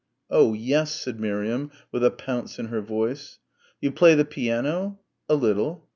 "Oh, yes," said Miriam, with a pounce in her voice. "You play the piano?" "A little."